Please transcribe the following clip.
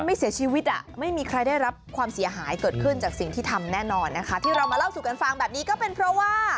ไม่เสียชีวิตอ่ะไม่มีใครได้รับความเสียหายเกิดขึ้นจากสิ่งที่ทำแน่นอนนะคะที่เรามาเล่าสู่กันฟังแบบนี้ก็เป็นเพราะว่า